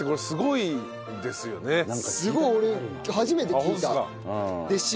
すごい俺初めて聞いた。